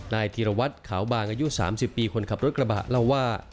ธีรวัตรขาวบางอายุ๓๐ปีคนขับรถกระบะเล่าว่า